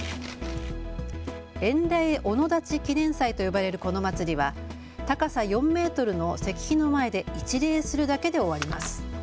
塩嶺御野立記念祭と呼ばれるこの祭りは高さ４メートルの石碑の前で一礼するだけで終わります。